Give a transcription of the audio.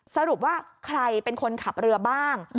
สรุปว่าใครเป็นคนขับเรือบ้าง